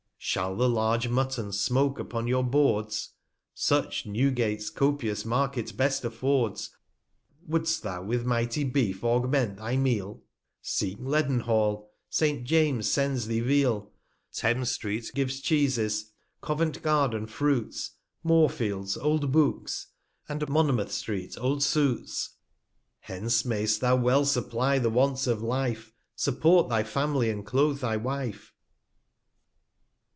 Shall the large Mutton smoak upon your Boards? Such, Newgate* copious Market best affords ; Would'st thou with mighty Beef augment thy Meal? Seek Leaden hall; Saint James'* sends thee Veal. Thames street gives Cheeses; Covent garden Fruits; Moor fields old Books ; and Monmoutk street old Suits. 426 Hence may'st thou well supply the Wants of Life, Support thy Family, and cloath thy Wife.